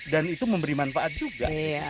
dan itu memberi manfaat juga